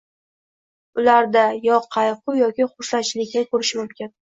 ularda yo qayg‘u yoki xursandchilikni ko‘rish mumkin.